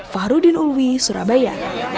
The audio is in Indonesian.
fahrudin ulwi surabaya